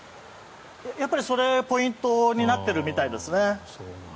やっぱりそれがポイントになっているみたいですね。